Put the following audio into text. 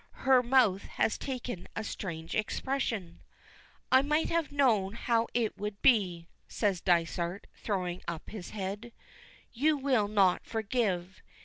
Her mouth has taken a strange expression. "I might have known how it would be," says Dysart, throwing up his head. "You will not forgive!